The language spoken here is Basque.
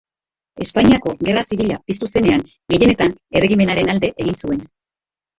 Espainiako Gerra Zibila piztu zenean, gehienetan erregimenaren alde egin zuen.